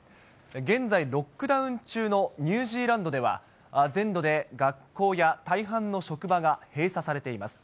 現在ロックダウン中のニュージーランドでは、全土で学校や大半の職場が閉鎖されています。